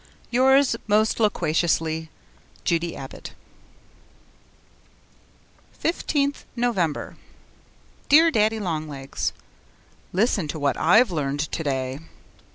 Yours most loquaciously, Judy Abbott 15th November Dear Daddy Long Legs, Listen to what I've learned to day.